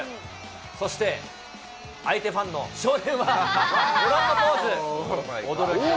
そして、相手ファンの少年はご覧のポーズ。